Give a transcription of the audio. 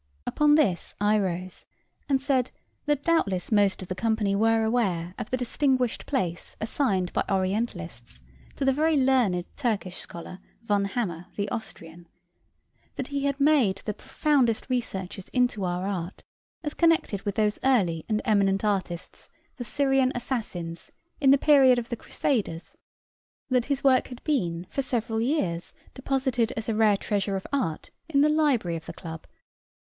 Upon this I rose and said, that doubtless most of the company were aware of the distinguished place assigned by orientalists to the very learned Turkish scholar Von Hammer the Austrian; that he had made the profoundest researches into our art as connected with those early and eminent artists the Syrian assassins in the period of the Crusaders; that his work had been for several years deposited, as a rare treasure of art, in the library of the club.